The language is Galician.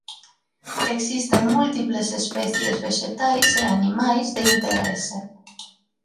Existen múltiples especies vexetais e animais de interese.